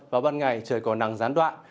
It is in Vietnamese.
vào ban ngày trời còn nắng gián đoạn